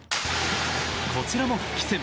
こちらも復帰戦。